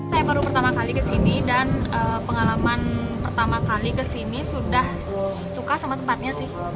saya baru pertama kali kesini dan pengalaman pertama kali kesini sudah suka sama tempatnya sih